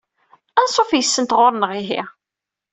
Ansuf yis-sent ɣur-neɣ ihi.